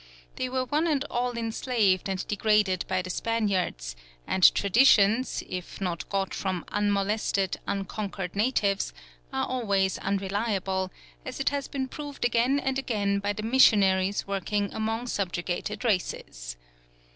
They were one and all enslaved and degraded by the Spaniards, and traditions, if not got from unmolested, unconquered natives, are always unreliable, as has been proved again and again by the missionaries working among subjugated races.